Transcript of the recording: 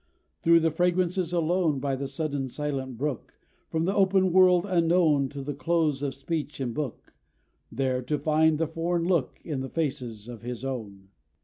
Through the fragrances, alone, By the sudden silent brook, From the open world unknown, To the close of speech and book; There to find the foreign look In the faces of his own.